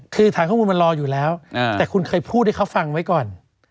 คือฐานข้อมูลมันรออยู่แล้วแต่คุณเคยพูดให้เขาฟังไว้ก่อน